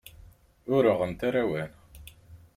Ur uɣent ara awal.